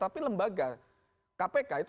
tapi lembaga kpk itu